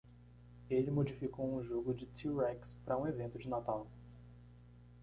Ele modificou um jogo de t-rex para um evento de Natal.